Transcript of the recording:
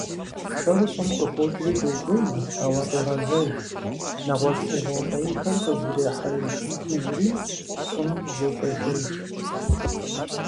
Пшэр щӀым къыхокӀри докӀуей, ауэ къегъэзэж, нэгъуэщӀ Ӏугъуэ фӀейхэр къыздрехьэхыжри, щӀым зыщӀешэж.